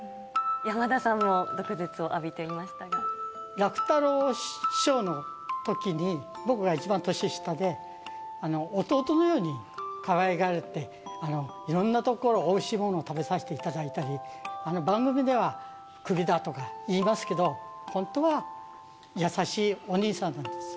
山田さんも毒舌を浴びていま楽太郎師匠のときに、僕が一番年下で、弟のようにかわいがられて、いろんなところ、おいしいもの食べさせていただいたり、番組では、クビだ！とか言いますけど、本当は優しいお兄さんなんです。